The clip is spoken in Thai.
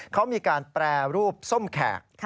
เขามีการแปรรูปส้มแขก